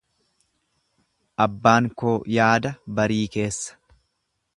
Abbaan koo yaada barii keessa.